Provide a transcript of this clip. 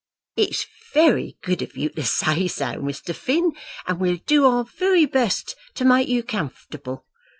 "It's very good of you to say so, Mr. Finn, and we'll do our very best to make you comfortable.